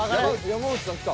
山内さんきた。